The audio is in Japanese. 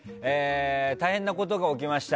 大変なことが起きました。